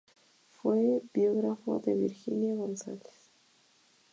Fue biógrafo de Virginia González.